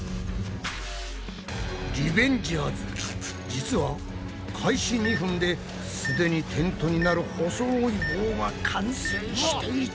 実は開始２分ですでにテントになる細い棒が完成していた！